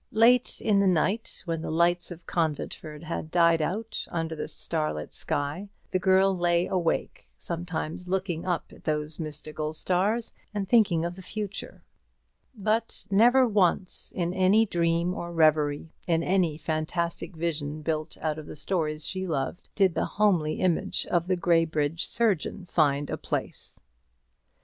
Late in the night, when the lights of Conventford had died out under the starlit sky, the girl lay awake, sometimes looking up at those mystical stars, and thinking of the future; but never once, in any dream or reverie, in any fantastic vision built out of the stories she loved, did the homely image of the Graybridge surgeon find a place.